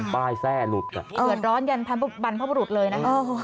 ป้ายแทร่หลุดหล่อนยันทรัพย์บรรพรุษเลยนะ